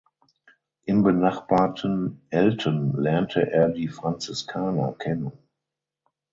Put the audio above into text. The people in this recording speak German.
Im benachbarten Elten lernte er die Franziskaner kennen.